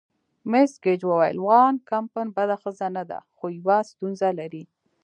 مس ګیج وویل: وان کمپن بده ښځه نه ده، خو یوه ستونزه لري.